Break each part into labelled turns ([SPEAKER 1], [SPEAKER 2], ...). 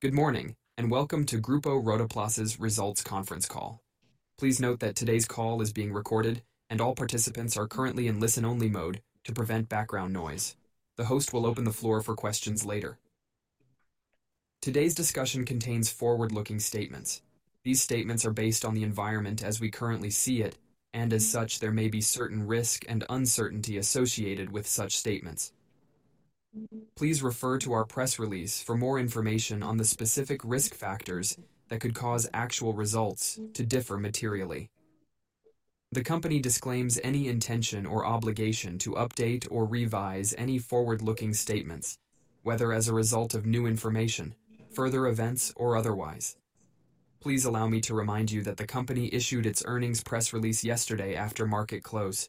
[SPEAKER 1] Good morning and welcome to Grupo Rotoplas's Results Conference Call. Please note that today's call is being recorded and all participants are currently in listen-only mode to prevent background noise. The host will open the floor for questions later. Today's discussion contains forward-looking statements. These statements are based on the environment as we currently see it, and as such there may be certain risk and uncertainty associated with such statements. Please refer to our press release for more information on the specific risk factors that could cause actual results to differ materially. The company disclaims any intention or obligation to update or revise any forward-looking statements, whether as a result of new information, further events, or otherwise. Please allow me to remind you that the company issued its earnings press release yesterday after market close.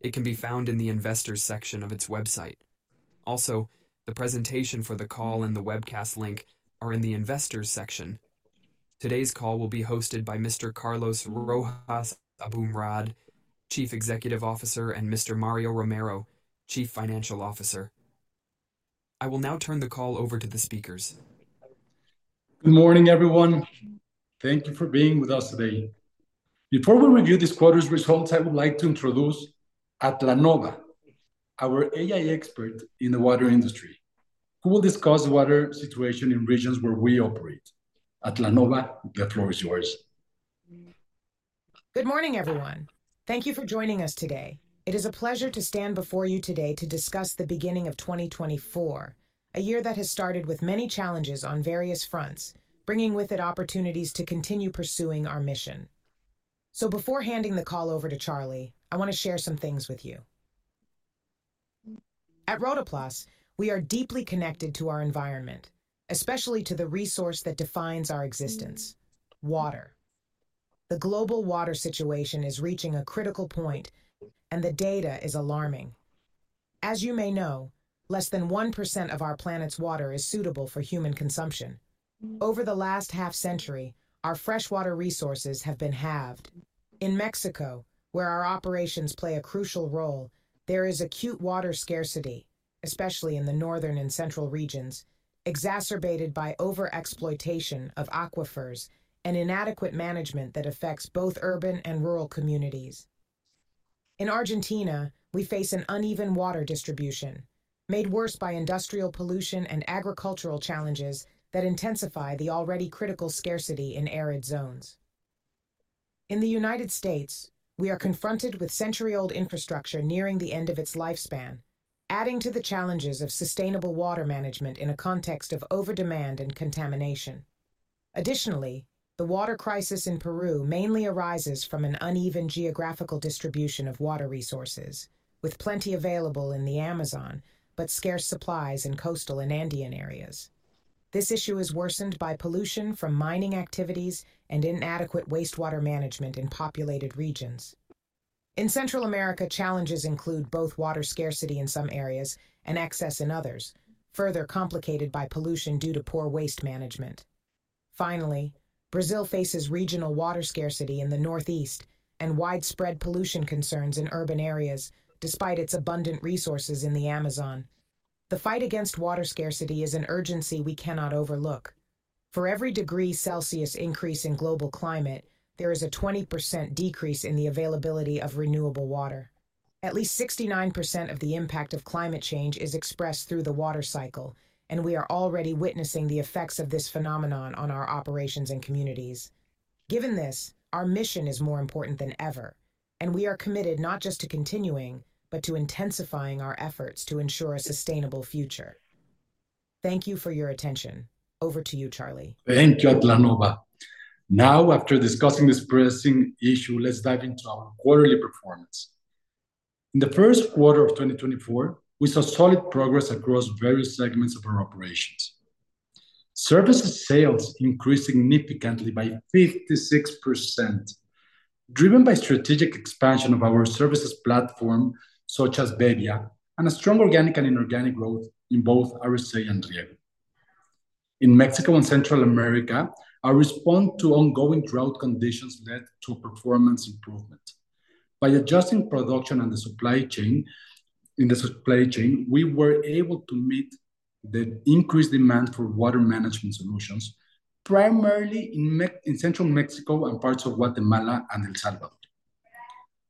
[SPEAKER 1] It can be found in the investors section of its website. Also, the presentation for the call and the webcast link are in the investors section. Today's call will be hosted by Mr. Carlos Rojas Aboumrad, Chief Executive Officer, and Mr. Mario Romero, Chief Financial Officer. I will now turn the call over to the speakers.
[SPEAKER 2] Good morning, everyone. Thank you for being with us today. Before we review this quarter's results, I would like to introduce Atlanova, our AI expert in the water industry, who will discuss the water situation in regions where we operate. Atlanova, the floor is yours.
[SPEAKER 3] Good morning, everyone. Thank you for joining us today. It is a pleasure to stand before you today to discuss the beginning of 2024, a year that has started with many challenges on various fronts, bringing with it opportunities to continue pursuing our mission. So before handing the call over to Charlie, I want to share some things with you. At Rotoplas, we are deeply connected to our environment, especially to the resource that defines our existence: water. The global water situation is reaching a critical point, and the data is alarming. As you may know, less than 1% of our planet's water is suitable for human consumption. Over the last half-century, our freshwater resources have been halved. In Mexico, where our operations play a crucial role, there is acute water scarcity, especially in the northern and central regions, exacerbated by overexploitation of aquifers and inadequate management that affects both urban and rural communities. In Argentina, we face an uneven water distribution, made worse by industrial pollution and agricultural challenges that intensify the already critical scarcity in arid zones. In the United States, we are confronted with century-old infrastructure nearing the end of its lifespan, adding to the challenges of sustainable water management in a context of over-demand and contamination. Additionally, the water crisis in Peru mainly arises from an uneven geographical distribution of water resources, with plenty available in the Amazon but scarce supplies in coastal and Andean areas. This issue is worsened by pollution from mining activities and inadequate wastewater management in populated regions. In Central America, challenges include both water scarcity in some areas and excess in others, further complicated by pollution due to poor waste management. Finally, Brazil faces regional water scarcity in the northeast and widespread pollution concerns in urban areas, despite its abundant resources in the Amazon. The fight against water scarcity is an urgency we cannot overlook. For every degree Celsius increase in global climate, there is a 20% decrease in the availability of renewable water. At least 69% of the impact of climate change is expressed through the water cycle, and we are already witnessing the effects of this phenomenon on our operations and communities. Given this, our mission is more important than ever, and we are committed not just to continuing but to intensifying our efforts to ensure a sustainable future. Thank you for your attention. Over to you, Charlie.
[SPEAKER 2] Thank you, Atlanova. Now, after discussing this pressing issue, let's dive into our quarterly performance. In the Q1 of 2024, we saw solid progress across various segments of our operations. Services sales increased significantly by 56%, driven by strategic expansion of our services platform such as bebbia and a strong organic and inorganic growth in both RSA and rieggo. In Mexico and Central America, our response to ongoing drought conditions led to performance improvement. By adjusting production and the supply chain, we were able to meet the increased demand for water management solutions, primarily in Central Mexico and parts of Guatemala and El Salvador.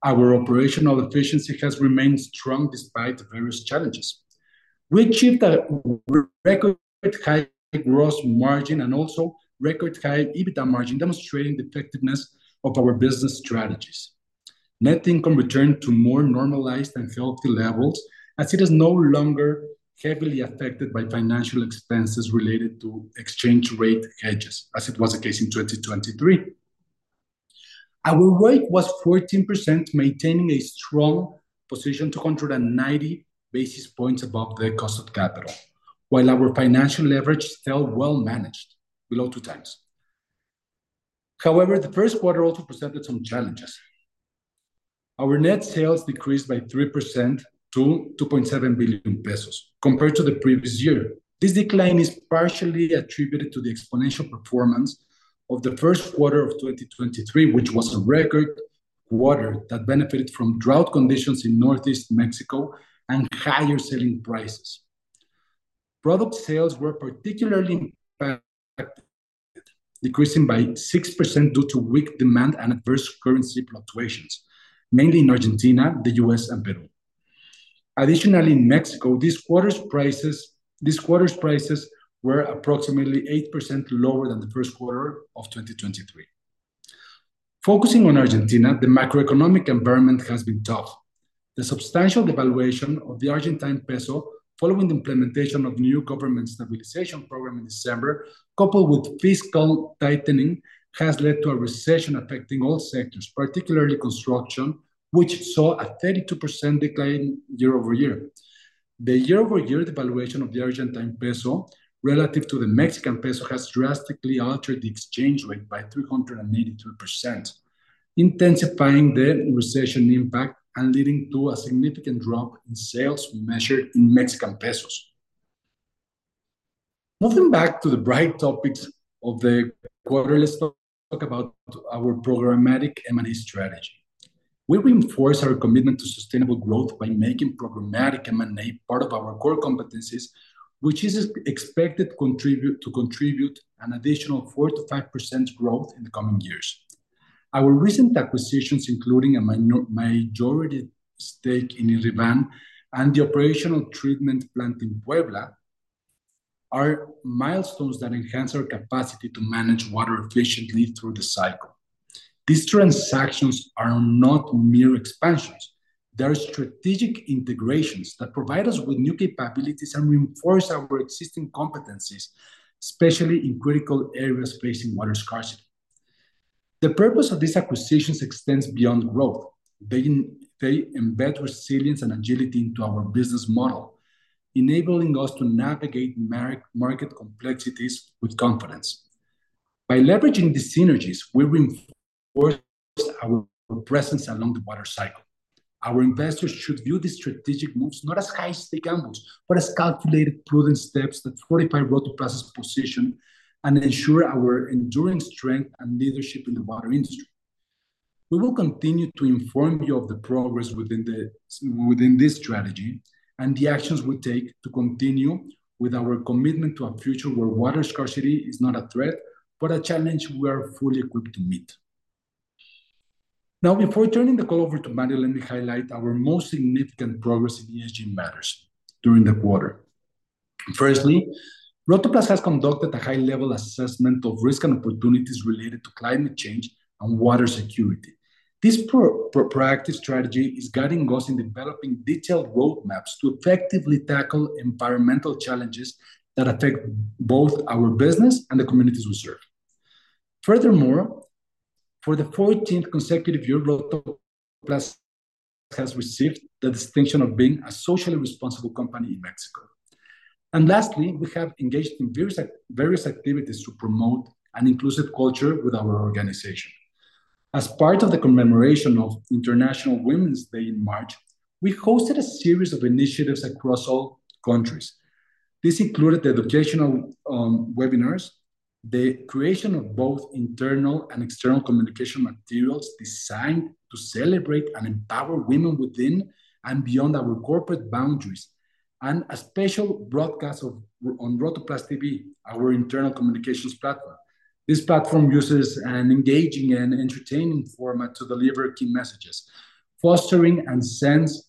[SPEAKER 2] Our operational efficiency has remained strong despite various challenges. We achieved a record high gross margin and also record high EBITDA margin, demonstrating the effectiveness of our business strategies. Net income returned to more normalized and healthy levels as it is no longer heavily affected by financial expenses related to exchange rate hedges, as it was the case in 2023. Our ROIC was 14%, maintaining a strong position 190 basis points above the cost of capital, while our financial leverage felt well managed, below 2x. However, the Q1 also presented some challenges. Our net sales decreased by 3% to 2.7 billion pesos, compared to the previous year. This decline is partially attributed to the exponential performance of the Q1 of 2023, which was a record quarter that benefited from drought conditions in northeast Mexico and higher selling prices. Product sales were particularly impacted, decreasing by 6% due to weak demand and adverse currency fluctuations, mainly in Argentina, the U.S., and Peru. Additionally, in Mexico, this quarter's prices were approximately 8% lower than the Q1 of 2023. Focusing on Argentina, the macroeconomic environment has been tough. The substantial devaluation of the Argentine peso following the implementation of the new government stabilization program in December, coupled with fiscal tightening, has led to a recession affecting all sectors, particularly construction, which saw a 32% decline year-over-year. The year-over-year devaluation of the Argentine peso relative to the Mexican peso has drastically altered the exchange rate by 382%, intensifying the recession impact and leading to a significant drop in sales measured in Mexican pesos. Moving back to the bright topics of the quarter, let's talk about our programmatic M&A strategy. We reinforce our commitment to sustainable growth by making programmatic M&A part of our core competencies, which is expected to contribute an additional 4%-5% growth in the coming years. Our recent acquisitions, including a majority stake in IrriVan and the operational treatment plant in Puebla, are milestones that enhance our capacity to manage water efficiently through the cycle. These transactions are not mere expansions. They are strategic integrations that provide us with new capabilities and reinforce our existing competencies, especially in critical areas facing water scarcity. The purpose of these acquisitions extends beyond growth. They embed resilience and agility into our business model, enabling us to navigate market complexities with confidence. By leveraging these synergies, we reinforce our presence along the water cycle. Our investors should view these strategic moves not as high-stakes gambles, but as calculated, prudent steps that fortify Rotoplas's position and ensure our enduring strength and leadership in the water industry. We will continue to inform you of the progress within this strategy and the actions we take to continue with our commitment to a future where water scarcity is not a threat but a challenge we are fully equipped to meet. Now, before turning the call over to Mario, let me highlight our most significant progress in ESG matters during the quarter. Firstly, Rotoplas has conducted a high-level assessment of risk and opportunities related to climate change and water security. This proactive strategy is guiding us in developing detailed roadmaps to effectively tackle environmental challenges that affect both our business and the communities we serve. Furthermore, for the 14th consecutive year, Rotoplas has received the distinction of being a socially responsible company in Mexico. Lastly, we have engaged in various activities to promote an inclusive culture with our organization. As part of the commemoration of International Women's Day in March, we hosted a series of initiatives across all countries. This included the educational webinars, the creation of both internal and external communication materials designed to celebrate and empower women within and beyond our corporate boundaries, and a special broadcast on Rotoplas TV, our internal communications platform. This platform uses an engaging and entertaining format to deliver key messages, fostering a sense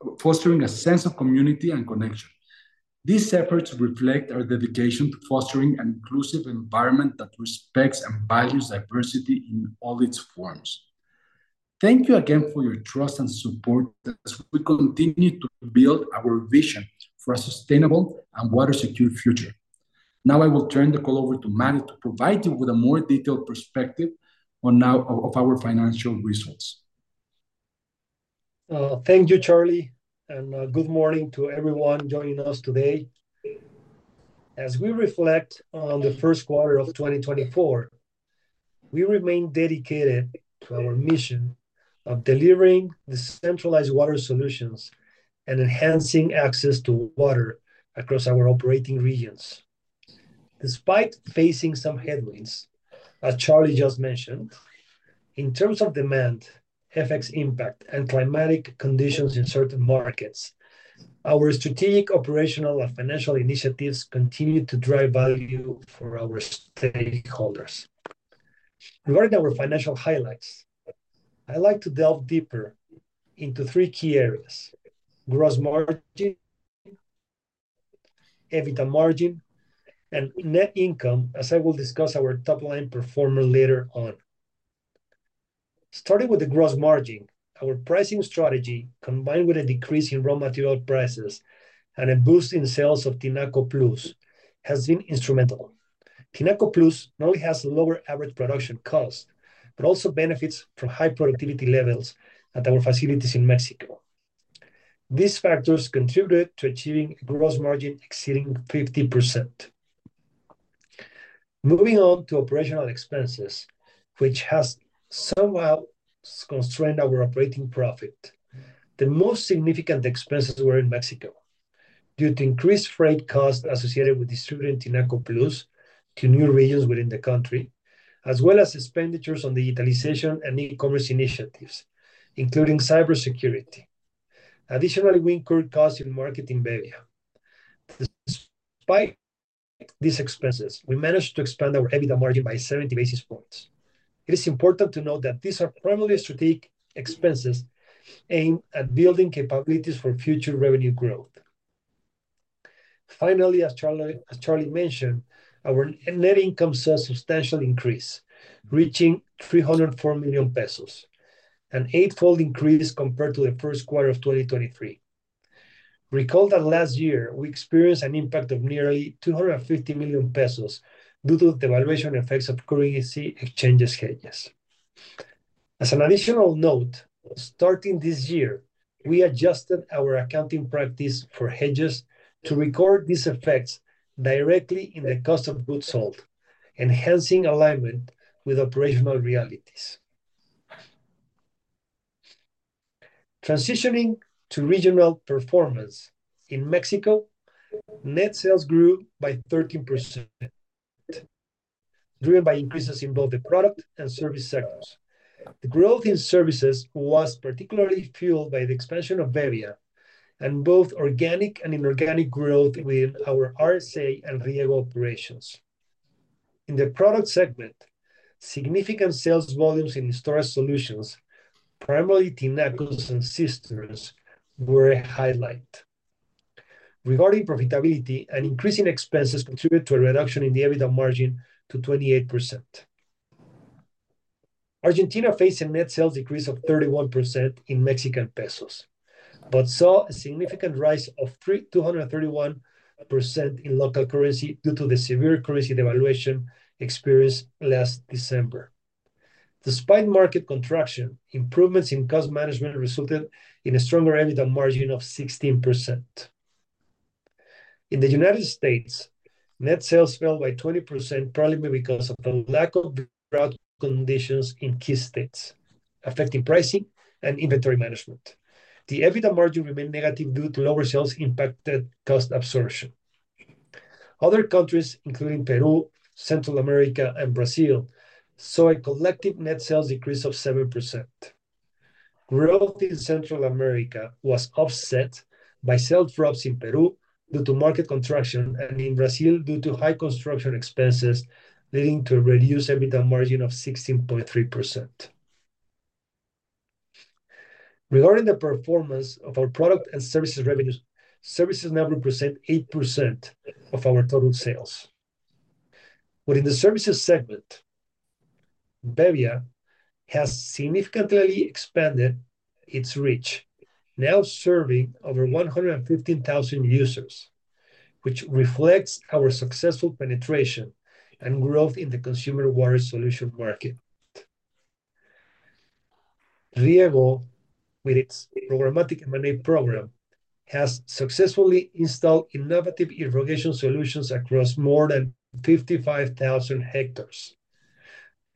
[SPEAKER 2] of community and connection. These efforts reflect our dedication to fostering an inclusive environment that respects and values diversity in all its forms. Thank you again for your trust and support as we continue to build our vision for a sustainable and water-secure future. Now I will turn the call over to Mario to provide you with a more detailed perspective on our financial results.
[SPEAKER 4] Thank you, Charlie, and good morning to everyone joining us today. As we reflect on the Q1 of 2024, we remain dedicated to our mission of delivering decentralized water solutions and enhancing access to water across our operating regions. Despite facing some headwinds, as Charlie just mentioned, in terms of demand, effects, impact, and climatic conditions in certain markets, our strategic operational and financial initiatives continue to drive value for our stakeholders. Regarding our financial highlights, I'd like to delve deeper into three key areas: gross margin, EBITDA margin, and net income, as I will discuss our top-line performer later on. Starting with the gross margin, our pricing strategy, combined with a decrease in raw material prices and a boost in sales of Tinaco Plus, has been instrumental. Tinaco Plus not only has lower average production costs but also benefits from high productivity levels at our facilities in Mexico. These factors contributed to achieving a gross margin exceeding 50%. Moving on to operational expenses, which have somewhat constrained our operating profit, the most significant expenses were in Mexico due to increased freight costs associated with distributing Tinaco Plus to new regions within the country, as well as expenditures on digitalization and e-commerce initiatives, including cybersecurity. Additionally, we incurred costs in marketing bebbia. Despite these expenses, we managed to expand our EBITDA margin by 70 basis points. It is important to note that these are primarily strategic expenses aimed at building capabilities for future revenue growth. Finally, as Charlie mentioned, our net income saw a substantial increase, reaching 304 million pesos, an eightfold increase compared to the Q1 of 2023. Recall that last year, we experienced an impact of nearly 250 million pesos due to the devaluation effects of currency exchange hedges. As an additional note, starting this year, we adjusted our accounting practice for hedges to record these effects directly in the cost of goods sold, enhancing alignment with operational realities. Transitioning to regional performance, in Mexico, net sales grew by 13%, driven by increases in both the product and service segments. The growth in services was particularly fueled by the expansion of bebbia and both organic and inorganic growth within our RSA and rieggo operations. In the product segment, significant sales volumes in storage solutions, primarily Tinacos and Cisterns, were a highlight. Regarding profitability, an increase in expenses contributed to a reduction in the EBITDA margin to 28%. Argentina faced a net sales decrease of 31% in Mexican pesos but saw a significant rise of 231% in local currency due to the severe currency devaluation experienced last December. Despite market contraction, improvements in cost management resulted in a stronger EBITDA margin of 16%. In the United States, net sales fell by 20%, probably because of the lack of drought conditions in key states, affecting pricing and inventory management. The EBITDA margin remained negative due to lower sales impacted cost absorption. Other countries, including Peru, Central America, and Brazil, saw a collective net sales decrease of 7%. Growth in Central America was offset by sales drops in Peru due to market contraction and in Brazil due to high construction expenses, leading to a reduced EBITDA margin of 16.3%. Regarding the performance of our product and services revenues, services now represent 8% of our total sales. Within the services segment, bebbia has significantly expanded its reach, now serving over 115,000 users, which reflects our successful penetration and growth in the consumer water solution market. Rieggo, with its programmatic M&A program, has successfully installed innovative irrigation solutions across more than 55,000 hectares,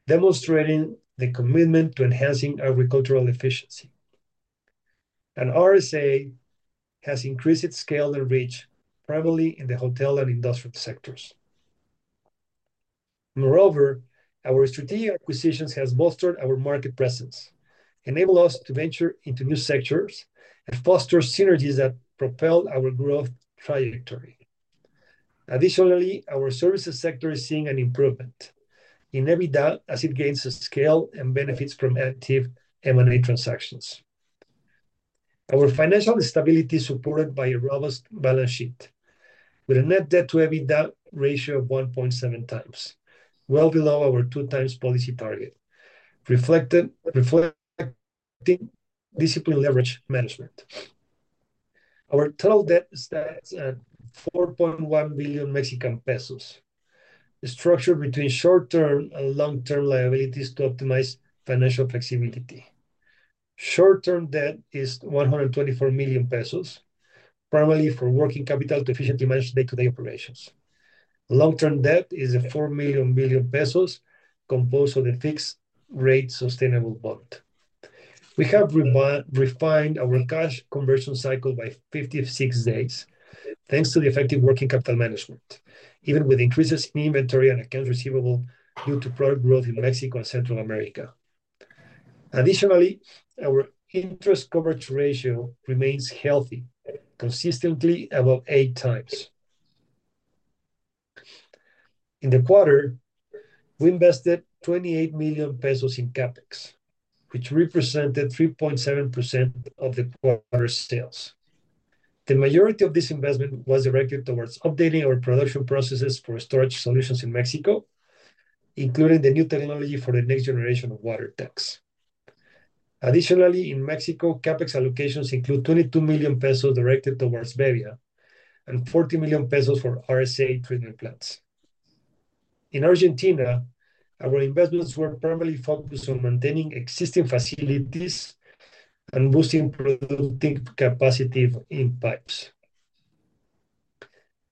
[SPEAKER 4] demonstrating the commitment to enhancing agricultural efficiency. RSA has increased its scale and reach, primarily in the hotel and industrial sectors. Moreover, our strategic acquisitions have bolstered our market presence, enabled us to venture into new sectors, and foster synergies that propel our growth trajectory. Additionally, our services sector is seeing an improvement in EBITDA as it gains scale and benefits from active M&A transactions. Our financial stability is supported by a robust balance sheet, with a net debt-to-EBITDA ratio of 1.7 times, well below our two-times policy target, reflecting disciplined leverage management. Our total debt is at 4.1 billion Mexican pesos, structured between short-term and long-term liabilities to optimize financial flexibility. Short-term debt is 124 million pesos, primarily for working capital to efficiently manage day-to-day operations. Long-term debt is 4 billion pesos, composed of the fixed-rate sustainable bond. We have refined our cash conversion cycle by 56 days, thanks to the effective working capital management, even with increases in inventory and accounts receivable due to product growth in Mexico and Central America. Additionally, our interest coverage ratio remains healthy, consistently above 8 times. In the quarter, we invested 28 million pesos in CapEx, which represented 3.7% of the quarter's sales. The majority of this investment was directed towards updating our production processes for storage solutions in Mexico, including the new technology for the next generation of water tanks. Additionally, in Mexico, CapEx allocations include 22 million pesos directed towards bebbia and 40 million pesos for RSA treatment plants. In Argentina, our investments were primarily focused on maintaining existing facilities and boosting productive capacity in pipes.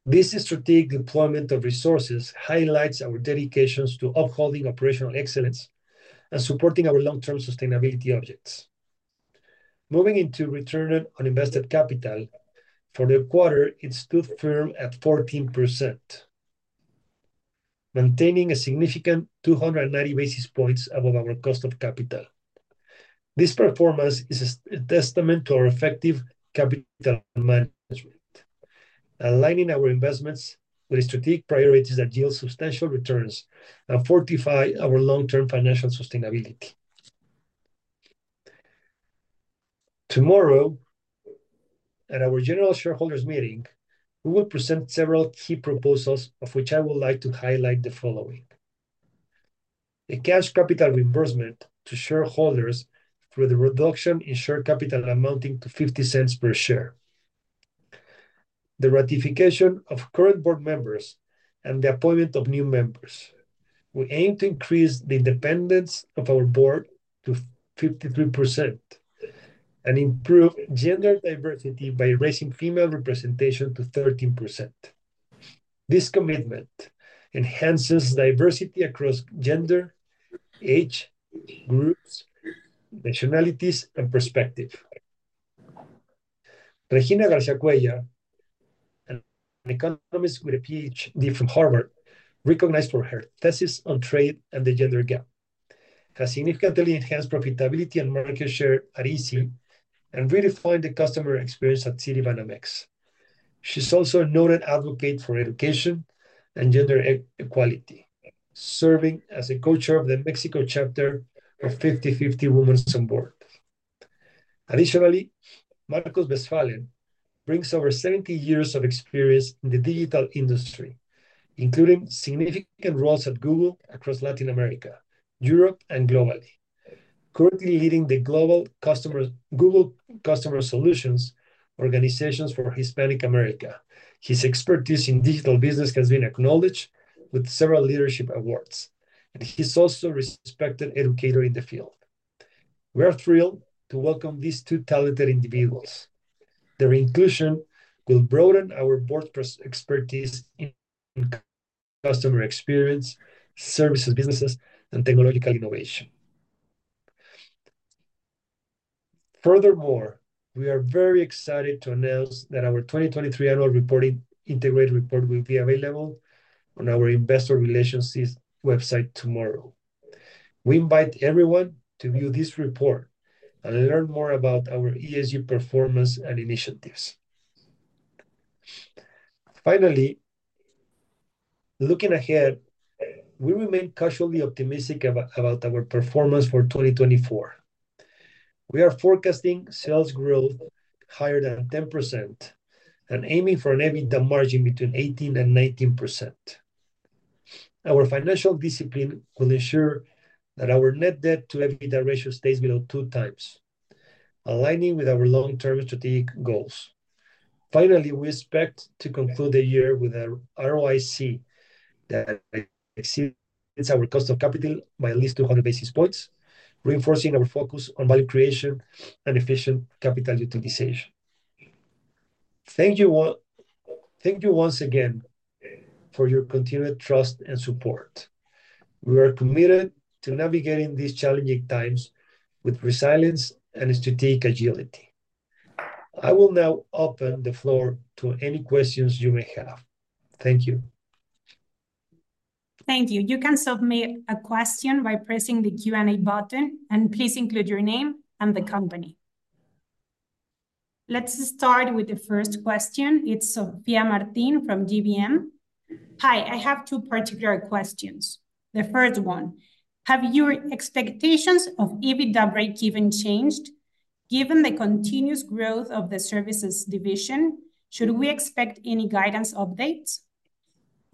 [SPEAKER 4] This strategic deployment of resources highlights our dedication to upholding operational excellence and supporting our long-term sustainability objectives. Moving into return on invested capital, for the quarter, it stood firm at 14%, maintaining a significant 290 basis points above our cost of capital. This performance is a testament to our effective capital management, aligning our investments with strategic priorities that yield substantial returns and fortify our long-term financial sustainability. Tomorrow, at our general shareholders' meeting, we will present several key proposals, of which I would like to highlight the following: a cash capital reimbursement to shareholders through the reduction in share capital amounting to MXM 0.50 per share, the ratification of current board members, and the appointment of new members. We aim to increase the independence of our board to 53% and improve gender diversity by raising female representation to 13%. This commitment enhances diversity across gender, age, groups, nationalities, and perspectives. Regina Garcia Cuéllar, an economist with a Ph.D. from Harvard, is recognized for her thesis on trade and the gender gap, has significantly enhanced profitability and market share at ESG, and redefined the customer experience at Citibanamex. She's also a noted advocate for education and gender equality, serving as a co-chair of the Mexico chapter of 50/50 Women on Boards. Additionally, Marcos Westphalen brings over 70 years of experience in the digital industry, including significant roles at Google across Latin America, Europe, and globally, currently leading the Global Customer Solutions Organization for Hispanic America. His expertise in digital business has been acknowledged with several leadership awards, and he's also a respected educator in the field. We are thrilled to welcome these two talented individuals. Their inclusion will broaden our board's expertise in customer experience, services, businesses, and technological innovation. Furthermore, we are very excited to announce that our 2023 annual reporting integrated report will be available on our investor relations website tomorrow. We invite everyone to view this report and learn more about our ESG performance and initiatives. Finally, looking ahead, we remain cautiously optimistic about our performance for 2024. We are forecasting sales growth higher than 10% and aiming for an EBITDA margin between 18%–19%. Our financial discipline will ensure that our net debt-to-EBITDA ratio stays below 2x, aligning with our long-term strategic goals. Finally, we expect to conclude the year with an ROIC that exceeds our cost of capital by at least 200 basis points, reinforcing our focus on value creation and efficient capital utilization. Thank you once again for your continued trust and support. We are committed to navigating these challenging times with resilience and strategic agility. I will now open the floor to any questions you may have. Thank you.
[SPEAKER 5] Thank you. You can submit a question by pressing the Q&A button, and please include your name and the company. Let's start with the first question. It's Sofia Martin from GBM. Hi, I have two particular questions. The first one: Have your expectations of EBITDA break-even changed? Given the continuous growth of the services division, should we expect any guidance updates?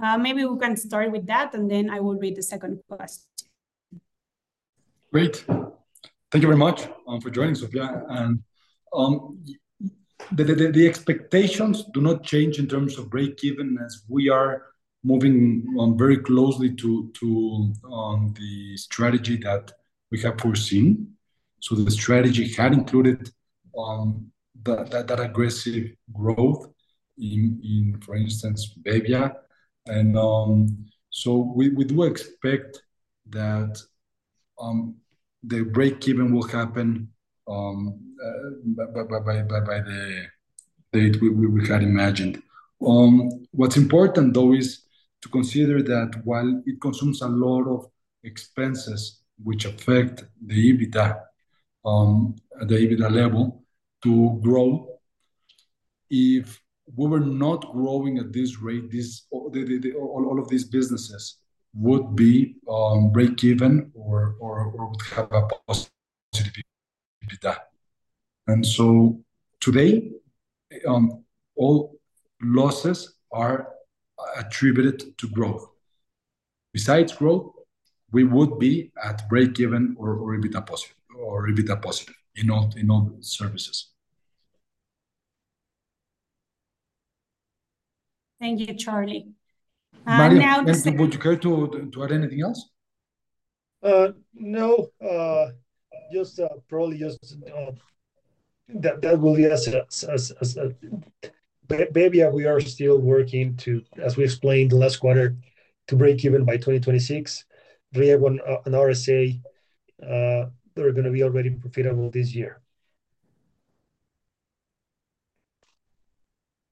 [SPEAKER 5] Maybe we can start with that, and then I will read the second question.
[SPEAKER 2] Great. Thank you very much for joining, Sofia. The expectations do not change in terms of break-even as we are moving very closely to the strategy that we have foreseen. The strategy had included that aggressive growth in, for instance, bebbia. We do expect that the break-even will happen by the date we had imagined. What's important, though, is to consider that while it consumes a lot of expenses, which affect the EBITDA level, to grow, if we were not growing at this rate, all of these businesses would be break-even or would have a positive EBITDA. Today, all losses are attributed to growth. Besides growth, we would be at break-even or EBITDA positive in all services.
[SPEAKER 5] Thank you, Charlie.
[SPEAKER 2] Mariano, would you care to add anything else?
[SPEAKER 4] No. Probably just that will be as a bebbia, we are still working to, as we explained last quarter, to break-even by 2026. rieggo and RSA, they're going to be already profitable this year.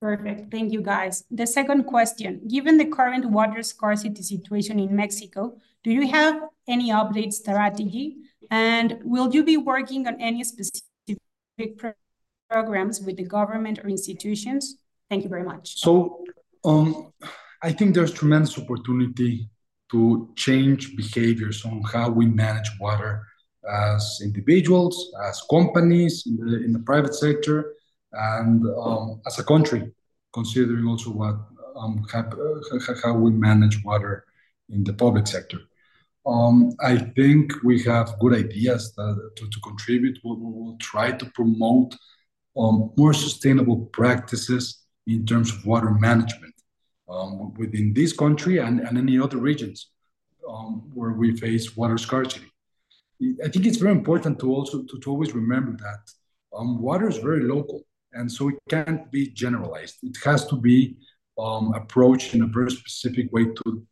[SPEAKER 5] Perfect. Thank you, guys. The second question: Given the current water scarcity situation in Mexico, do you have any update strategy? And will you be working on any specific programs with the government or institutions? Thank you very much.
[SPEAKER 2] I think there's tremendous opportunity to change behaviors on how we manage water as individuals, as companies in the private sector, and as a country, considering also how we manage water in the public sector. I think we have good ideas to contribute. We will try to promote more sustainable practices in terms of water management within this country and any other regions where we face water scarcity. I think it's very important to always remember that water is very local, and so it can't be generalized. It has to be approached in a very specific way to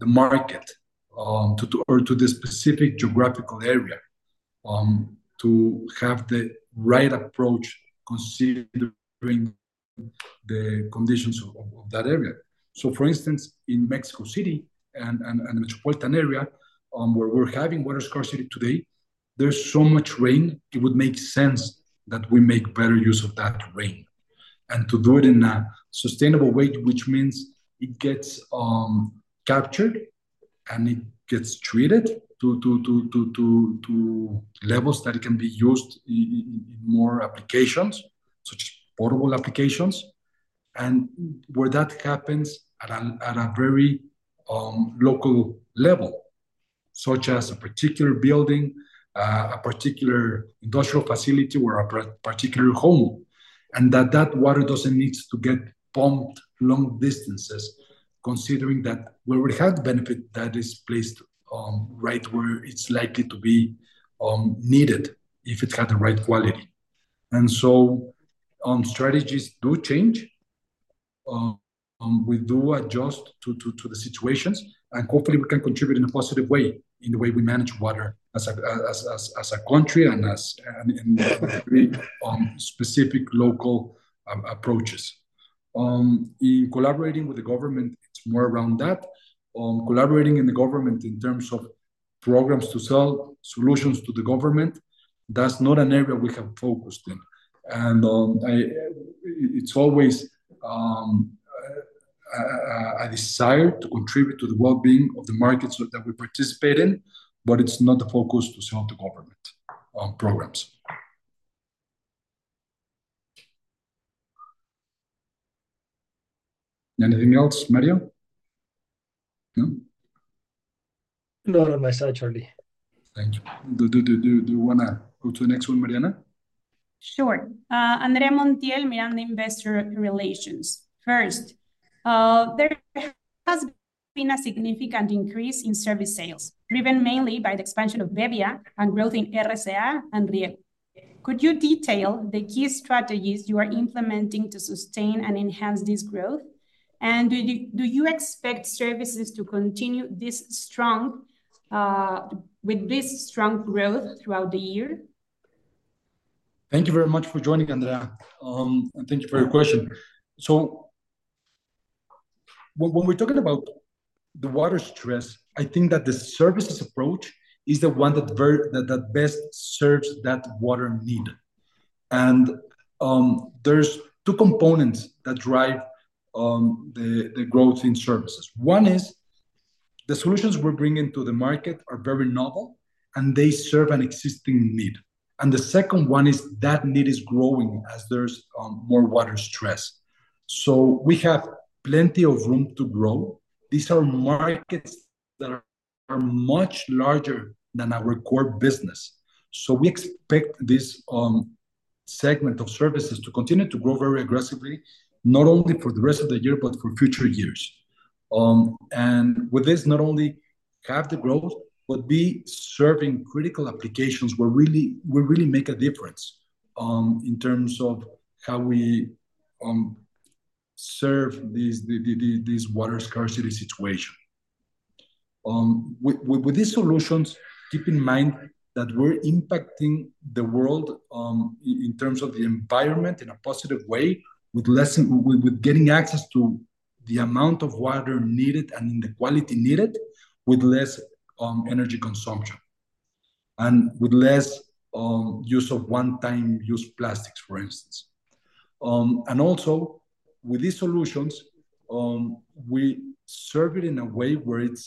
[SPEAKER 2] the market or to the specific geographical area to have the right approach, considering the conditions of that area. So, for instance, in Mexico City and the metropolitan area where we're having water scarcity today, there's so much rain, it would make sense that we make better use of that rain and to do it in a sustainable way, which means it gets captured and it gets treated to levels that it can be used in more applications, such as potable applications, and where that happens at a very local level, such as a particular building, a particular industrial facility, or a particular home, and that water doesn't need to get pumped long distances, considering that where we have benefit, that is placed right where it's likely to be needed if it had the right quality. And so strategies do change. We do adjust to the situations, and hopefully, we can contribute in a positive way in the way we manage water as a country and in specific local approaches. In collaborating with the government, it's more around that. Collaborating in the government in terms of programs to sell solutions to the government, that's not an area we have focused in. It's always a desire to contribute to the well-being of the markets that we participate in, but it's not the focus to sell to government programs. Anything else, Mario? No?
[SPEAKER 4] Not on my side, Charlie.
[SPEAKER 2] Thank you. Do you want to go to the next one, Mariana?
[SPEAKER 5] Sure. Andrea Montiel, Miranda Investor Relations. First, there has been a significant increase in service sales, driven mainly by the expansion of bebbia and growth in RSA and rieggo. Could you detail the key strategies you are implementing to sustain and enhance this growth? And do you expect services to continue with this strong growth throughout the year?
[SPEAKER 2] Thank you very much for joining, Andrea. Thank you for your question. When we're talking about the water stress, I think that the services approach is the one that best serves that water need. There's two components that drive the growth in services. One is the solutions we're bringing to the market are very novel, and they serve an existing need. And the second one is that need is growing as there's more water stress. We have plenty of room to grow. These are markets that are much larger than our core business. We expect this segment of services to continue to grow very aggressively, not only for the rest of the year, but for future years. With this, not only have the growth, but be serving critical applications where we really make a difference in terms of how we serve this water scarcity situation. With these solutions, keep in mind that we're impacting the world in terms of the environment in a positive way, with getting access to the amount of water needed and in the quality needed with less energy consumption and with less use of one-time-use plastics, for instance. And also, with these solutions, we serve it in a way where it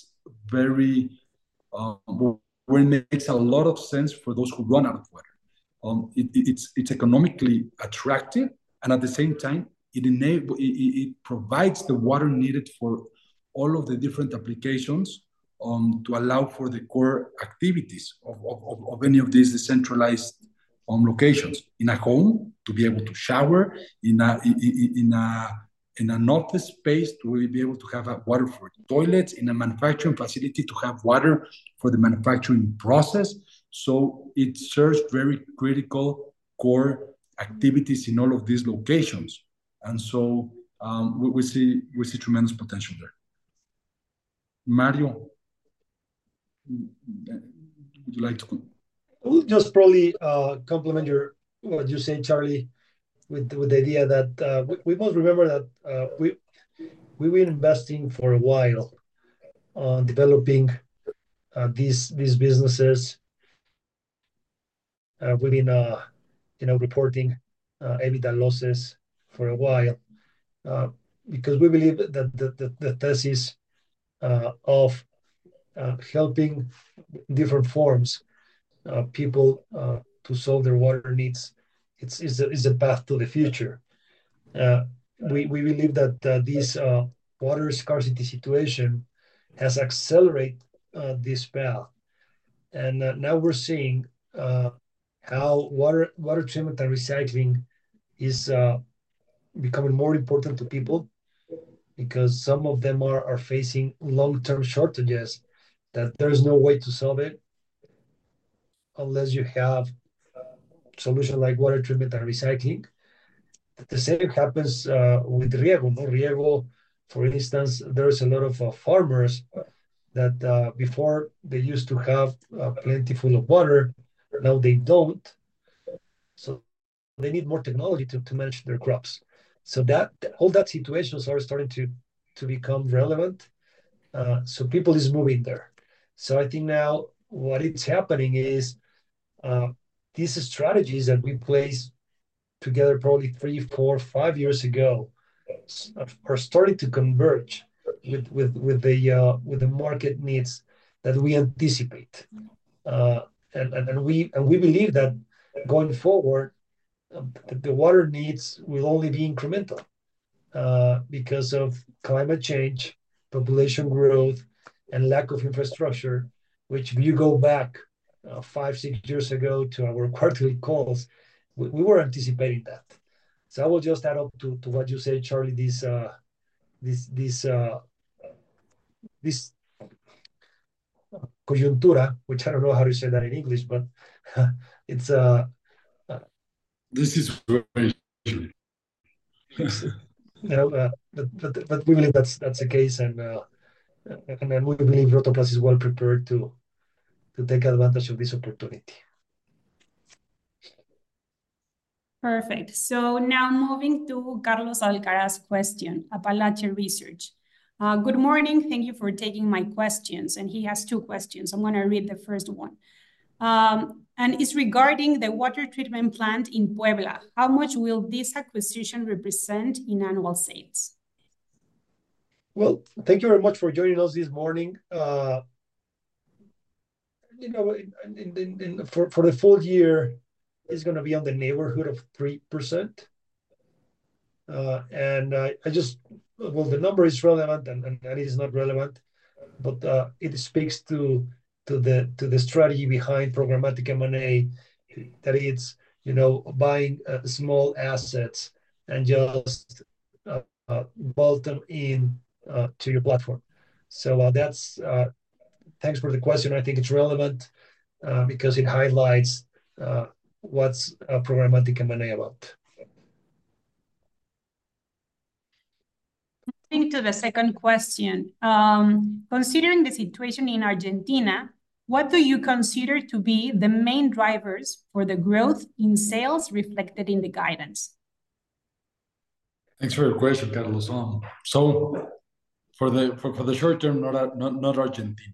[SPEAKER 2] makes a lot of sense for those who run out of water. It's economically attractive, and at the same time, it provides the water needed for all of the different applications to allow for the core activities of any of these decentralized locations: in a home to be able to shower, in an office space to be able to have water for toilets, in a manufacturing facility to have water for the manufacturing process. So it serves very critical core activities in all of these locations. And so we see tremendous potential there. Mario? Would you like to?
[SPEAKER 4] I will just probably complement what you said, Charlie, with the idea that we must remember that we've been investing for a while on developing these businesses. We've been reporting EBITDA losses for a while because we believe that the thesis of helping different forms of people to solve their water needs is a path to the future. We believe that this water scarcity situation has accelerated this path. And now we're seeing how water treatment and recycling is becoming more important to people because some of them are facing long-term shortages, that there's no way to solve it unless you have solutions like water treatment and recycling. The same happens with Riego. Riego, for instance, there's a lot of farmers that before, they used to have plenty full of water. Now they don't. So they need more technology to manage their crops. So all those situations are starting to become relevant. So people are moving there. So I think now what is happening is these strategies that we placed together probably three, four, five years ago are starting to converge with the market needs that we anticipate. And we believe that going forward, the water needs will only be incremental because of climate change, population growth, and lack of infrastructure, which, if you go back five, six years ago to our quarterly calls, we were anticipating that. So I will just add up to what you said, Charlie, this coyuntura, which I don't know how to say that in English, but it's.
[SPEAKER 2] This is what we believe.
[SPEAKER 4] We believe that's the case. We believe Rotoplas is well prepared to take advantage of this opportunity.
[SPEAKER 5] Perfect. So now moving to Carlos Alcaraz's question, Apalache Análisis. Good morning. Thank you for taking my questions. And he has two questions. I'm going to read the first one. And it's regarding the water treatment plant in Puebla. How much will this acquisition represent in annual sales?
[SPEAKER 4] Well, thank you very much for joining us this morning. For the full year, it's going to be in the neighborhood of 3%. And well, the number is relevant, and it is not relevant. But it speaks to the strategy behind programmatic M&A, that it's buying small assets and just bolt them into your platform. So thanks for the question. I think it's relevant because it highlights what's programmatic M&A about.
[SPEAKER 5] Moving to the second question. Considering the situation in Argentina, what do you consider to be the main drivers for the growth in sales reflected in the guidance?
[SPEAKER 2] Thanks for your question, Carlos. So for the short term, not Argentina.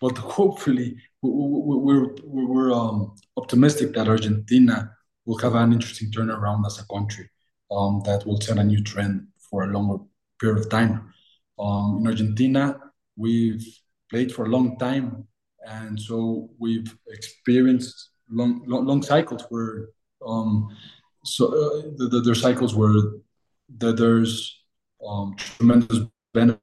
[SPEAKER 2] But hopefully, we're optimistic that Argentina will have an interesting turnaround as a country that will set a new trend for a longer period of time. In Argentina, we've played for a long time, and so we've experienced long cycles where so there are cycles where there's tremendous benefit.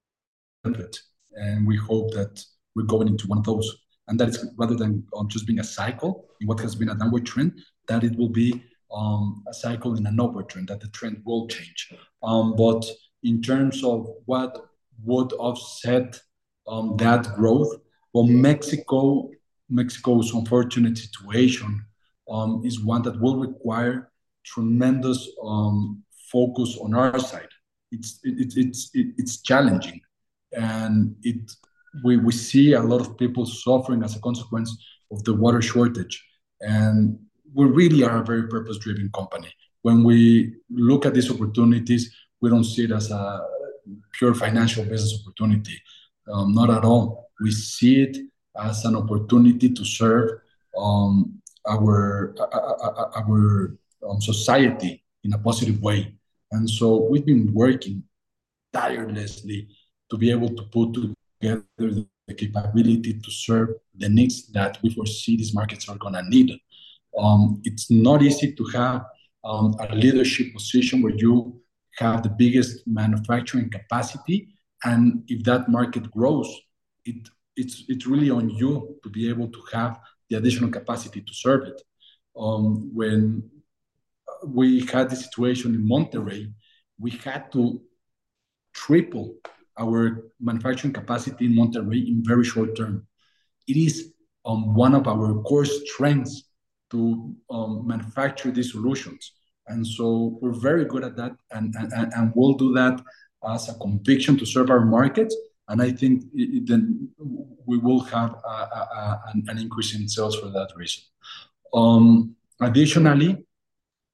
[SPEAKER 2] And we hope that we're going into one of those. And that is rather than just being a cycle in what has been an upward trend, that it will be a cycle in an upward trend, that the trend will change. But in terms of what would offset that growth, well, Mexico's unfortunate situation is one that will require tremendous focus on our side. It's challenging. And we see a lot of people suffering as a consequence of the water shortage. We really are a very purpose-driven company. When we look at these opportunities, we don't see it as a pure financial business opportunity. Not at all. We see it as an opportunity to serve our society in a positive way. So we've been working tirelessly to be able to put together the capability to serve the needs that we foresee these markets are going to need. It's not easy to have a leadership position where you have the biggest manufacturing capacity. And if that market grows, it's really on you to be able to have the additional capacity to serve it. When we had this situation in Monterrey, we had to triple our manufacturing capacity in Monterrey in very short term. It is one of our core strengths to manufacture these solutions. So we're very good at that, and we'll do that as a conviction to serve our markets. And I think then we will have an increase in sales for that reason. Additionally,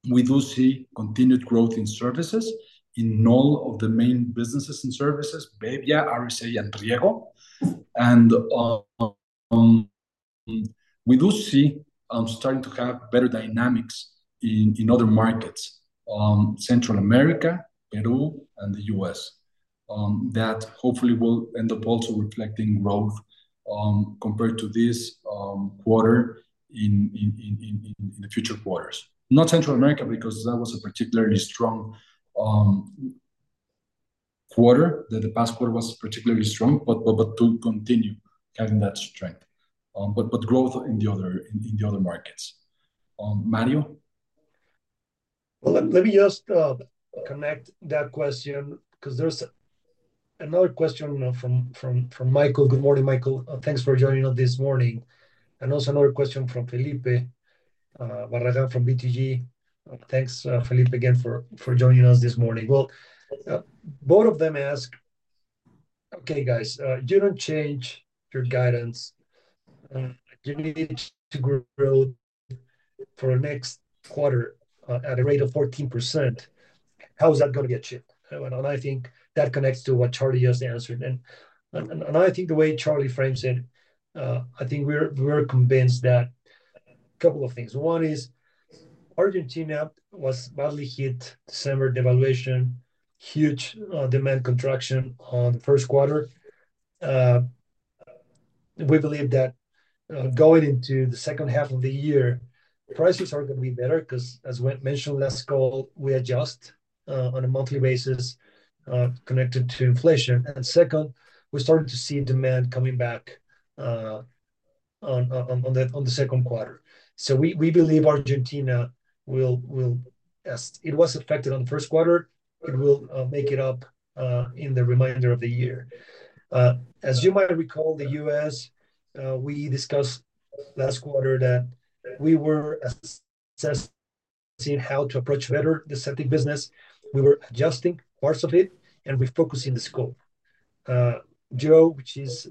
[SPEAKER 2] we do see continued growth in services in all of the main businesses and services: bebbia, RSA, and rieggo. And we do see starting to have better dynamics in other markets: Central America, Peru, and the US, that hopefully will end up also reflecting growth compared to this quarter in the future quarters. Not Central America because that was a particularly strong quarter, that the past quarter was particularly strong, but to continue having that strength, but growth in the other markets. Mario?
[SPEAKER 4] Well, let me just connect that question because there's another question from Michael. Good morning, Michael. Thanks for joining us this morning. And also another question from Felipe Barragán from BTG. Thanks, Felipe, again for joining us this morning. Well, both of them ask, "Okay, guys, you don't change your guidance. You need to grow for the next quarter at a rate of 14%. How is that going to get shipped?" And I think that connects to what Charlie just answered. And I think the way Charlie frames it, I think we're convinced that a couple of things. One is Argentina was badly hit December devaluation, huge demand contraction on the Q1. We believe that going into the H2 of the year, prices are going to be better because, as mentioned last call, we adjust on a monthly basis connected to inflation. Second, we started to see demand coming back in the Q2. So we believe Argentina will, as it was affected in the Q1. It will make it up in the remainder of the year. As you might recall, the U.S., we discussed last quarter that we were assessing how to approach better the septic business. We were adjusting parts of it, and we're focusing the scope. Joe, which is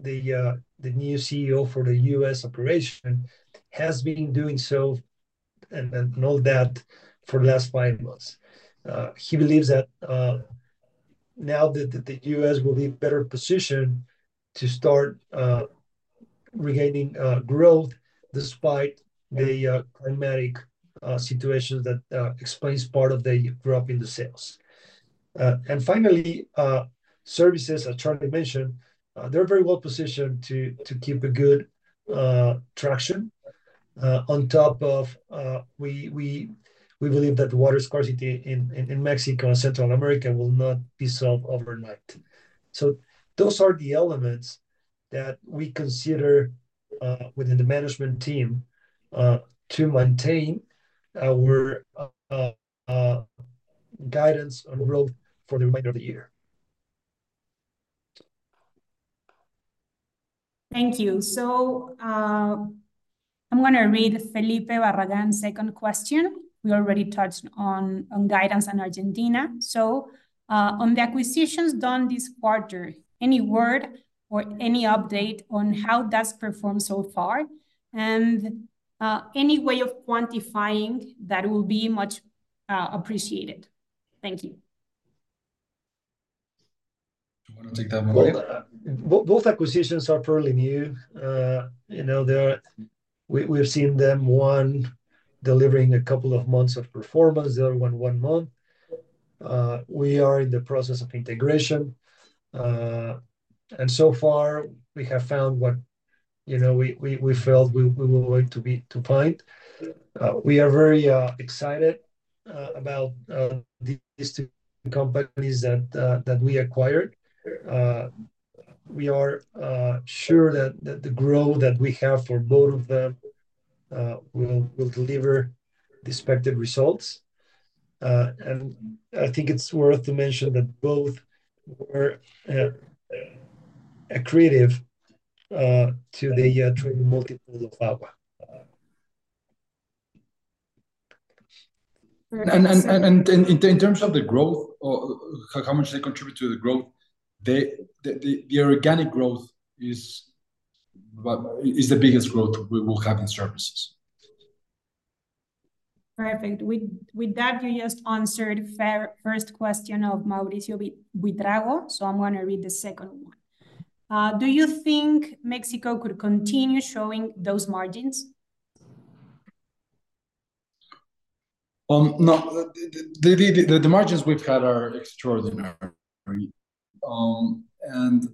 [SPEAKER 4] the new CEO for the U.S. operation, has been doing so and all that for the last 5 months. He believes that now the U.S. will be better positioned to start regaining growth despite the climatic situation that explains part of the drop in the sales. And finally, services, as Charlie mentioned, they're very well positioned to keep a good traction on top of we believe that water scarcity in Mexico and Central America will not be solved overnight. So those are the elements that we consider within the management team to maintain our guidance on growth for the remainder of the year.
[SPEAKER 5] Thank you. So I'm going to read Felipe Barragán's second question. We already touched on guidance in Argentina. So on the acquisitions done this quarter, any word or any update on how that's performed so far and any way of quantifying that will be much appreciated. Thank you.
[SPEAKER 2] Do you want to take that one again?
[SPEAKER 4] Both acquisitions are fairly new. We've seen them one delivering a couple of months of performance. The other one, one month. We are in the process of integration. So far, we have found what we felt we were going to find. We are very excited about these two companies that we acquired. We are sure that the growth that we have for both of them will deliver the expected results. I think it's worth to mention that both were accretive to the trading multiple.
[SPEAKER 2] In terms of the growth, how much they contribute to the growth, the organic growth is the biggest growth we will have in services.
[SPEAKER 5] Perfect. With that, you just answered the first question of Mauricio Buitrago. So I'm going to read the second one. Do you think Mexico could continue showing those margins?
[SPEAKER 2] No. The margins we've had are extraordinary. And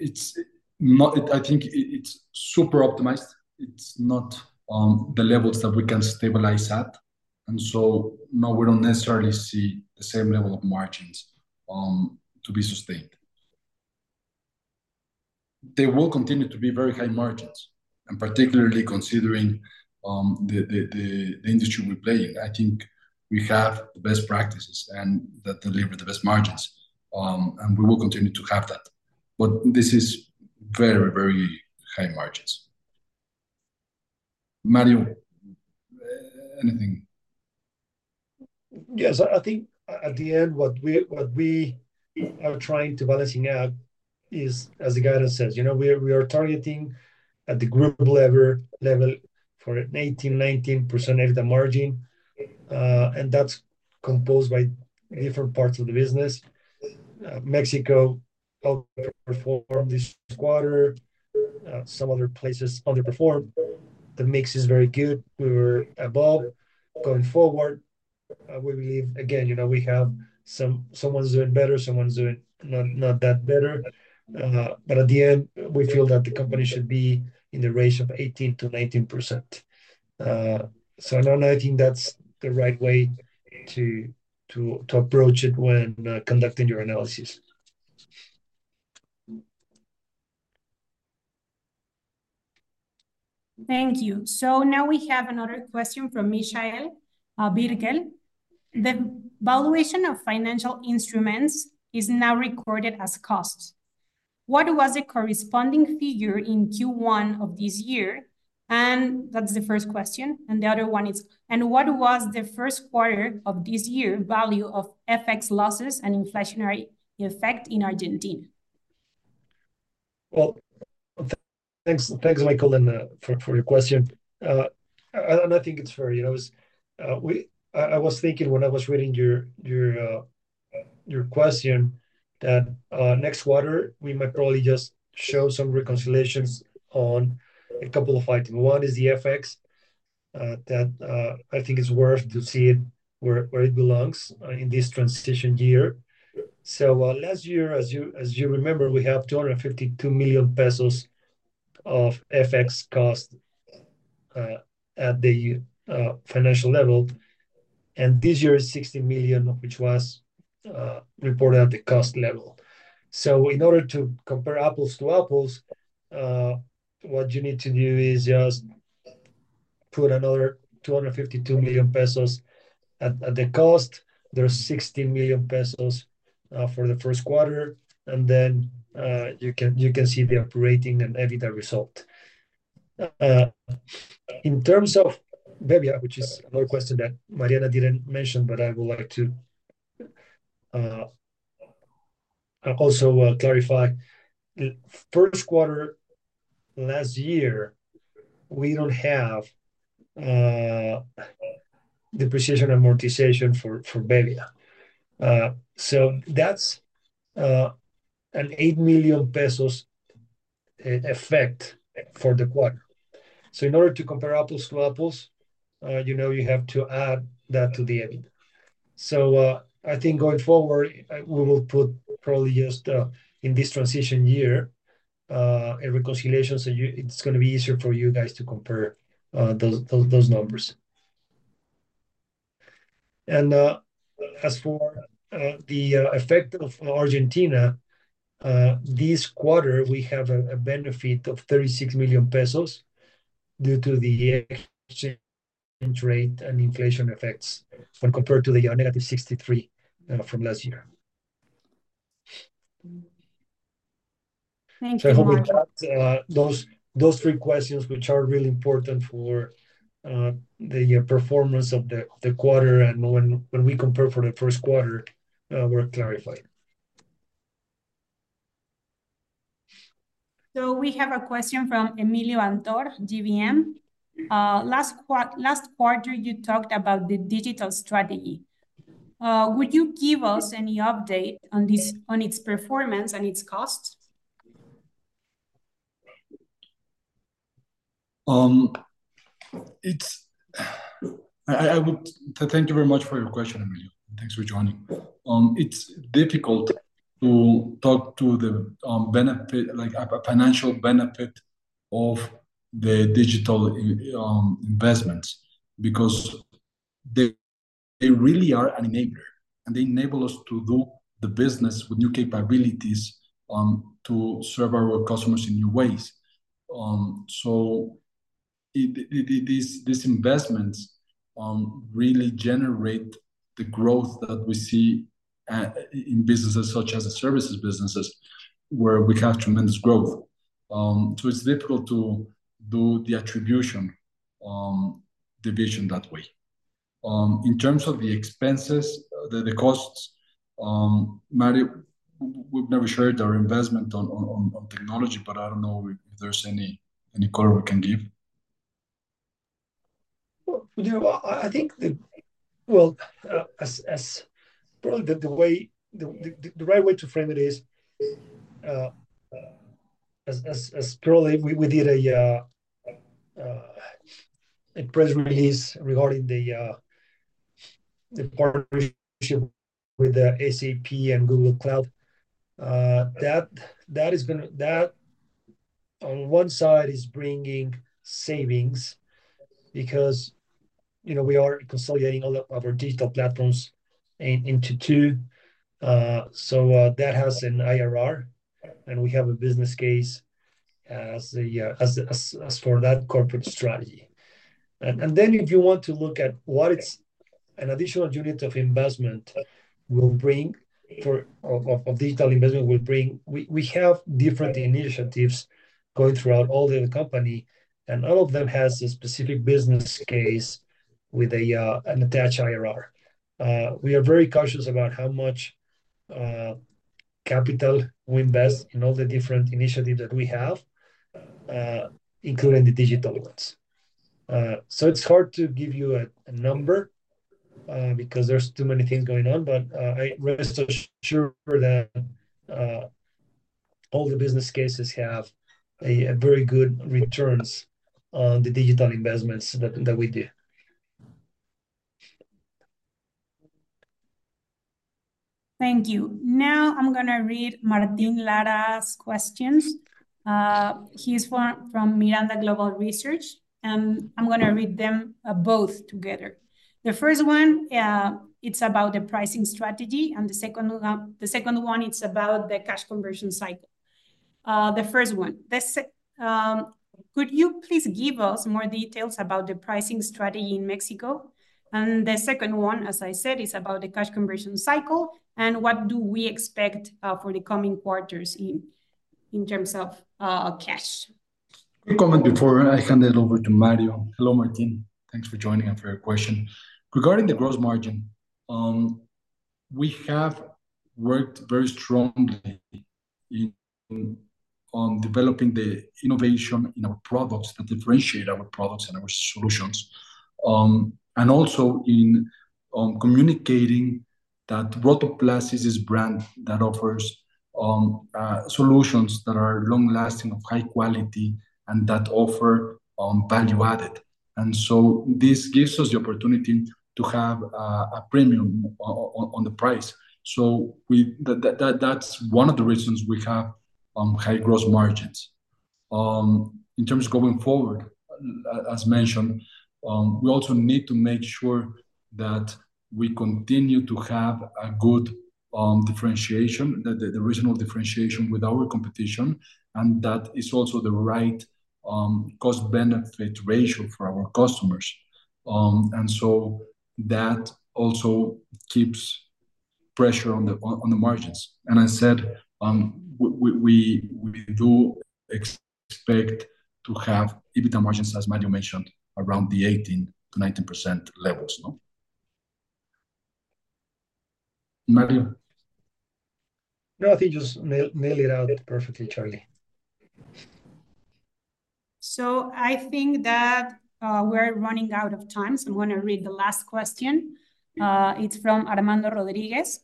[SPEAKER 2] I think it's super optimized. It's not the levels that we can stabilize at. And so no, we don't necessarily see the same level of margins to be sustained. They will continue to be very high margins, and particularly considering the industry we play in. I think we have the best practices and that deliver the best margins. And we will continue to have that. But this is very, very high margins. Mario, anything?
[SPEAKER 4] Yes. I think at the end, what we are trying to balance out is, as the guidance says, we are targeting at the group level for an 18%-19% net margin. That's composed by different parts of the business. Mexico outperformed this quarter. Some other places underperformed. The mix is very good. We were above. Going forward, we believe, again, we have someone's doing better, someone's doing not that better. At the end, we feel that the company should be in the range of 18%-19%. No, I think that's the right way to approach it when conducting your analysis.
[SPEAKER 5] Thank you. So now we have another question from Michael Birgel. The valuation of financial instruments is now recorded as costs. What was the corresponding figure in Q1 of this year? And that's the first question. And the other one is, and what was the Q1 of this year value of FX losses and inflationary effect in Argentina?
[SPEAKER 4] Well, thanks, Michael, for your question. I think it's fair. I was thinking when I was reading your question that next quarter, we might probably just show some reconciliations on a couple of items. One is the FX, that I think it's worth to see it where it belongs in this transition year. Last year, as you remember, we have 252 million pesos of FX cost at the financial level. This year, it's 60 million, which was reported at the cost level. In order to compare apples to apples, what you need to do is just put another 252 million pesos at the cost. There's 60 million pesos for the Q1. Then you can see the operating and EBITDA result. In terms of bebbia, which is another question that Mariana didn't mention, but I would like to also clarify. Q1 last year, we don't have depreciation amortization for bebbia. So that's an 8 million pesos effect for the quarter. So in order to compare apples to apples, you have to add that to the EBITDA. So I think going forward, we will put probably just in this transition year a reconciliation, so it's going to be easier for you guys to compare those numbers. As for the effect of Argentina, this quarter, we have a benefit of 36 million pesos due to the exchange rate and inflation effects when compared to the -63 million from last year.
[SPEAKER 5] Thank you.
[SPEAKER 4] I hope that those three questions, which are really important for the performance of the quarter and when we compare for the Q1, were clarified.
[SPEAKER 5] We have a question from Emilio Antor, GBM. Last quarter, you talked about the digital strategy. Would you give us any update on its performance and its costs?
[SPEAKER 2] Thank you very much for your question, Emilio. Thanks for joining. It's difficult to talk to the financial benefit of the digital investments because they really are an enabler. They enable us to do the business with new capabilities to serve our customers in new ways. These investments really generate the growth that we see in businesses such as the services businesses where we have tremendous growth. It's difficult to do the attribution division that way. In terms of the expenses, the costs, Mario, we've never shared our investment on technology, but I don't know if there's any color we can give.
[SPEAKER 4] I think, well, probably the right way to frame it is, as probably we did a press release regarding the partnership with SAP and Google Cloud, that is going to that, on one side, is bringing savings because we are consolidating all of our digital platforms into two. So that has an IRR. And we have a business case as for that corporate strategy. And then if you want to look at what an additional unit of investment will bring of digital investment will bring, we have different initiatives going throughout all the company. And all of them has a specific business case with an attached IRR. We are very cautious about how much capital we invest in all the different initiatives that we have, including the digital ones. So it's hard to give you a number because there's too many things going on. But I'm rest assured that all the business cases have very good returns on the digital investments that we do.
[SPEAKER 5] Thank you. Now I'm going to read Martin Lara's questions. He's from Miranda Global Research. I'm going to read them both together. The first one, it's about the pricing strategy. The second one, it's about the cash conversion cycle. The first one, could you please give us more details about the pricing strategy in Mexico? The second one, as I said, is about the cash conversion cycle. What do we expect for the coming quarters in terms of cash?
[SPEAKER 2] Quick comment before I hand it over to Mario. Hello, Martin. Thanks for joining and for your question. Regarding the gross margin, we have worked very strongly on developing the innovation in our products that differentiate our products and our solutions, and also in communicating that Rotoplas is this brand that offers solutions that are long-lasting, of high quality, and that offer value added. And so this gives us the opportunity to have a premium on the price. So that's one of the reasons we have high gross margins. In terms of going forward, as mentioned, we also need to make sure that we continue to have a good differentiation, the reasonable differentiation with our competition, and that is also the right cost-benefit ratio for our customers. And so that also keeps pressure on the margins. As said, we do expect to have EBITDA margins, as Mario mentioned, around the 18%-19% levels, no? Mario?
[SPEAKER 4] No, I think you just nailed it out perfectly, Charlie.
[SPEAKER 5] I think that we're running out of time. I'm going to read the last question. It's from Armando Rodriguez.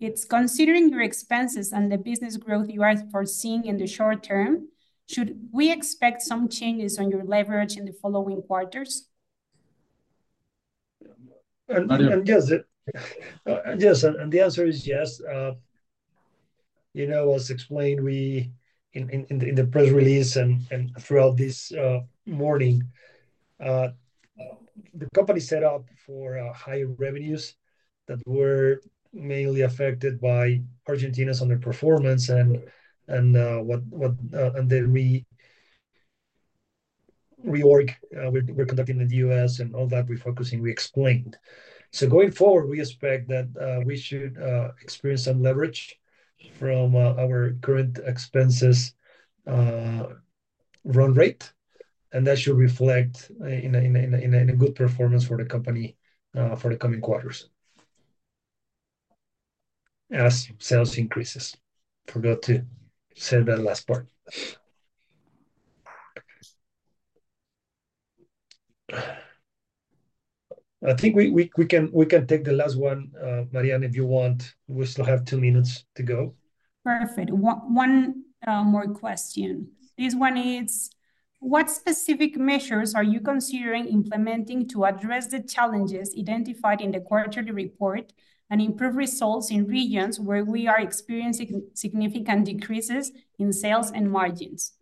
[SPEAKER 5] It's considering your expenses and the business growth you are foreseeing in the short term, should we expect some changes on your leverage in the following quarters?
[SPEAKER 4] Yes. Yes. The answer is yes. As explained in the press release and throughout this morning, the company set up for higher revenues that were mainly affected by Argentina's underperformance and the reorg we're conducting in the US and all that we're focusing, we explained. So going forward, we expect that we should experience some leverage from our current expenses run rate. And that should reflect in a good performance for the company for the coming quarters as sales increases. Forgot to say that last part. I think we can take the last one, Mariana, if you want. We still have two minutes to go.
[SPEAKER 5] Perfect. One more question. This one is, what specific measures are you considering implementing to address the challenges identified in the quarterly report and improve results in regions where we are experiencing significant decreases in sales and margins?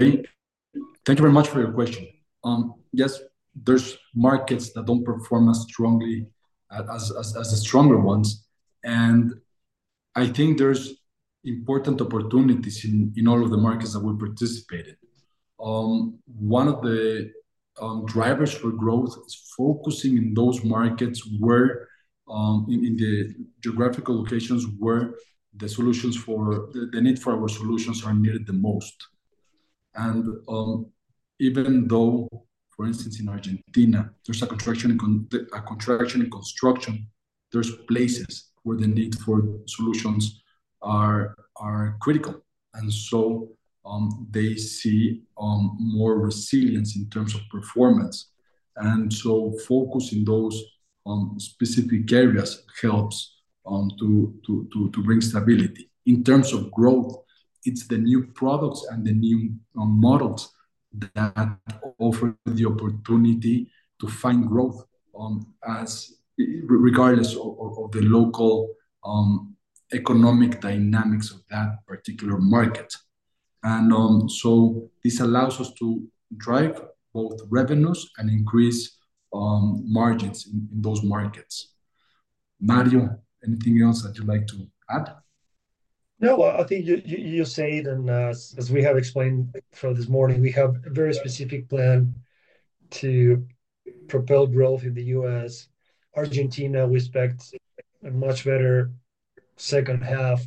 [SPEAKER 2] Okay. Thank you very much for your question. Yes, there's markets that don't perform as strongly as the stronger ones. I think there's important opportunities in all of the markets that we participate in. One of the drivers for growth is focusing in those markets where in the geographical locations where the need for our solutions are needed the most. Even though, for instance, in Argentina, there's a contraction in construction, there's places where the need for solutions are critical. They see more resilience in terms of performance. Focusing those specific areas helps to bring stability. In terms of growth, it's the new products and the new models that offer the opportunity to find growth regardless of the local economic dynamics of that particular market. This allows us to drive both revenues and increase margins in those markets. Mario, anything else that you'd like to add?
[SPEAKER 4] No, I think you said it. And as we have explained throughout this morning, we have a very specific plan to propel growth in the U.S. Argentina, we expect a much better H2.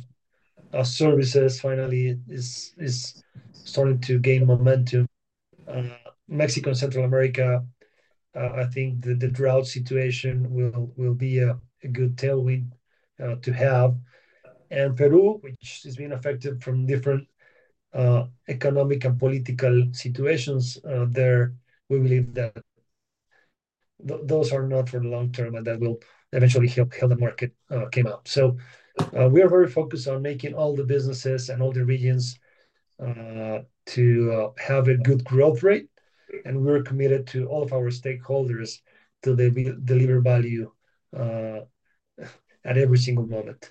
[SPEAKER 4] Services, finally, is starting to gain momentum. Mexico and Central America, I think the drought situation will be a good tailwind to have. And Peru, which is being affected from different economic and political situations there, we believe that those are not for the long term and that will eventually help the market come out. So we are very focused on making all the businesses and all the regions to have a good growth rate. And we're committed to all of our stakeholders to deliver value at every single moment.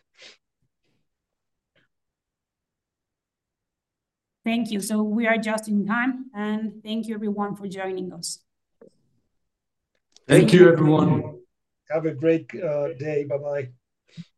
[SPEAKER 5] Thank you. We are just in time. Thank you, everyone, for joining us.
[SPEAKER 2] Thank you, everyone.
[SPEAKER 4] Have a great day. Bye-bye.